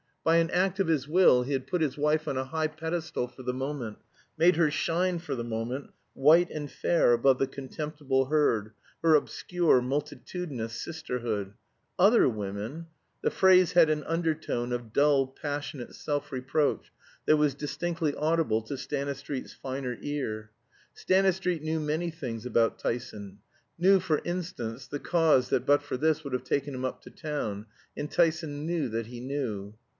By an act of his will he had put his wife on a high pedestal for the moment made her shine, for the moment, white and fair above the contemptible herd, her obscure multitudinous sisterhood. Other women! The phrase had an undertone of dull passionate self reproach that was distinctly audible to Stanistreet's finer ear. Stanistreet knew many things about Tyson knew, for instance, the cause that but for this would have taken him up to town; and Tyson knew that he knew.